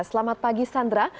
selamat pagi sandra